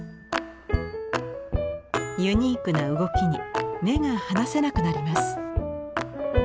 ユニークな動きに目が離せなくなります。